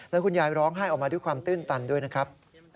แล้วคุณยายร้องไห้ออกมาด้วยความตื้นตันด้วยนะครับ